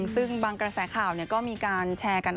ซึ่งบางกระแสข่าวก็มีการแชร์กัน